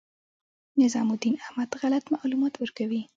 نظام الدین احمد غلط معلومات ورکوي.